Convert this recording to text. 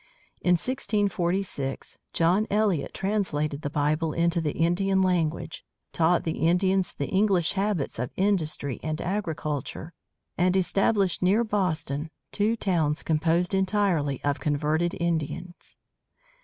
In 1646, John Eliot translated the Bible into the Indian language, taught the Indians the English habits of industry and agriculture, and established near Boston two towns composed entirely of converted Indians.